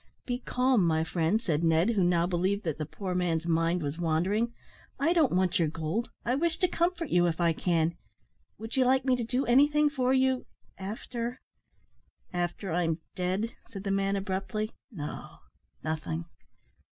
"Be calm, my friend," said Ned, who now believed that the poor man's mind was wandering, "I don't want your gold; I wish to comfort you, if I can. Would you like me to do anything for you after " "After I'm dead," said the man, abruptly. "No, nothing.